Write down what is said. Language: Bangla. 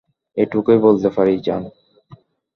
এটুকুই বলতে পারি, যান।